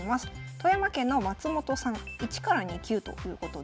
富山県の松本さん１２級ということです。